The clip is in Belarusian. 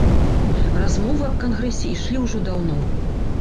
Размовы аб кангрэсе ішлі ўжо даўно.